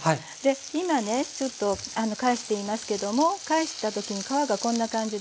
今ねちょっと返していますけども返したときに皮がこんな感じですね。